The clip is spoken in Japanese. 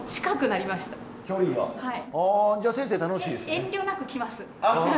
遠慮なくきます。